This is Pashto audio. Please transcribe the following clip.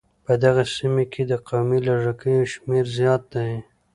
په دغې سيمې کې د قومي لږکيو شمېر زيات دی.